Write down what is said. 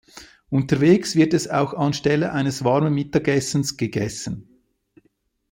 Unterwegs wird es auch anstelle eines warmen Mittagessens gegessen.